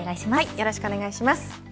よろしくお願いします。